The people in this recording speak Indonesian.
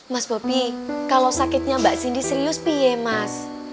mas bobi kalau sakitnya mbak cindy serius pie mas